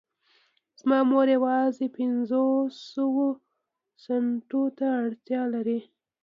زما مور يوازې پنځوسو سنټو ته اړتيا لري.